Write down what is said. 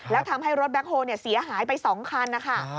แล้วทำให้รถแบ็คโฮลเสียหายไป๒คันนะคะ